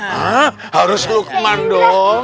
hah harus lukman dong